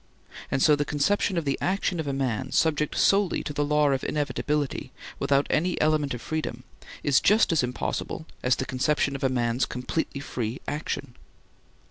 And so the conception of the action of a man subject solely to the law of inevitability without any element of freedom is just as impossible as the conception of a man's completely free action.